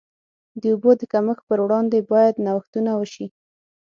د اوبو د کمښت پر وړاندې باید نوښتونه وشي.